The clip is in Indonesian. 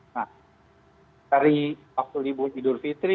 nah dari waktu libur idul fitri